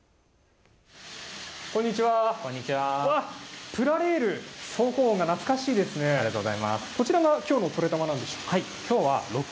こんにちは。